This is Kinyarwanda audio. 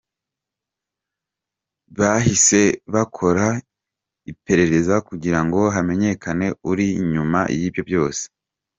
Bahise bakora iperereza kugira ngo hamenyekane uri inyuma y’ibyo byose.